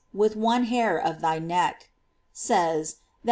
with one hair of thy neck," | says, *Vit.